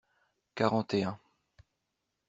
Quarante et un.